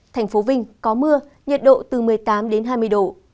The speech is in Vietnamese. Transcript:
thủ đô vĩnh có mưa nhiệt độ từ một mươi tám đến hai mươi độ